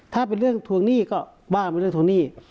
ถ้าเป็นเรื่องทวงหนี้ก็ว่าเป็นเรื่องทวงหนี้